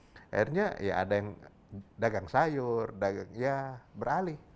akhirnya ya ada yang dagang sayur dagang ya beralih